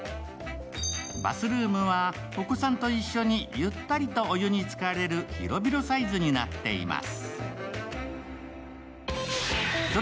バスルームはお子さんと一緒にゆったりとお湯につかれる広々サイズになっています。